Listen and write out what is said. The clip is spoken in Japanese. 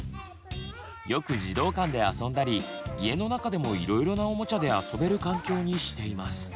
よく児童館であそんだり家の中でもいろいろなおもちゃであそべる環境にしています。